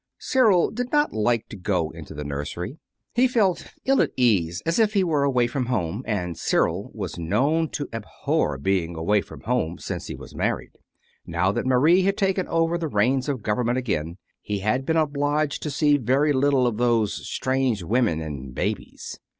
Cyril did not like to go into the nursery. He felt ill at ease, and as if he were away from home and Cyril was known to abhor being away from home since he was married. Now that Marie had taken over the reins of government again, he had been obliged to see very little of those strange women and babies.